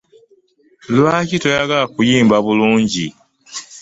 Lwaki toyagala kuyimba bulungi?